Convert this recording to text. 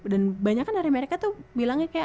dan banyak kan dari mereka tuh bilangnya kayak